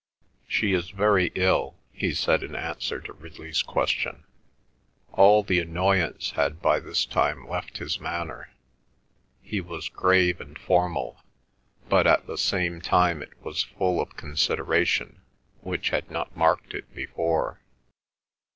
"She is very ill," he said in answer to Ridley's question. All the annoyance had by this time left his manner, he was grave and formal, but at the same time it was full of consideration, which had not marked it before.